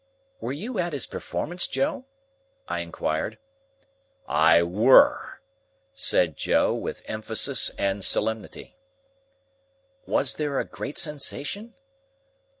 "Were you at his performance, Joe?" I inquired. "I were," said Joe, with emphasis and solemnity. "Was there a great sensation?"